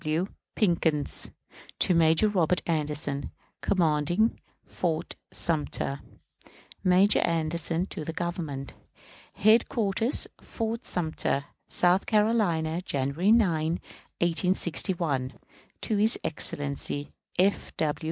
F. W. PICKENS. To Major Robert Anderson, commanding Fort Sumter. Major Anderson to the Governor. Headquarters, Fort Sumter, South Carolina, January 9, 1861. To his Excellency F. W.